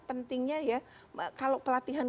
pentingnya ya kalau pelatihan